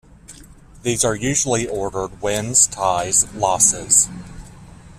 These are usually ordered Wins-Ties-Losses.